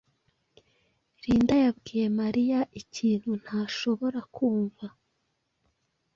Rinda yabwiye Mariya ikintu ntashobora kumva.